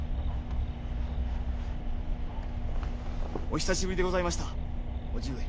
お久しぶりでございました叔父上。